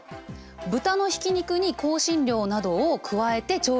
豚のひき肉に香辛料などを加えて調理した缶詰。